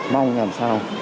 mong làm sao